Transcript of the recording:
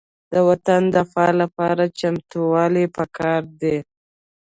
د وطن دفاع لپاره چمتووالی پکار دی.